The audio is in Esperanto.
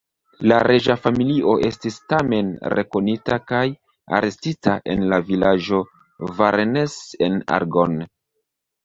La reĝa familio estis tamen rekonita kaj arestita en la vilaĝo Varennes-en-Argonne.